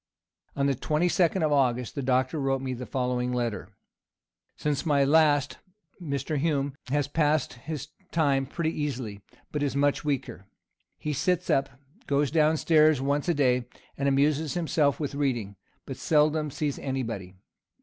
On the twenty second of August, the doctor wrote me the following letter; "Since my last, Mr. Hume has passed his time pretty easily, but is much weaker. He sits up, goes down stairs once a day, and amuses himself with reading, but seldom sees any body.